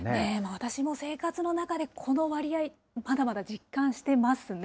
私も生活の中でこの割合、まだまだ実感してますね。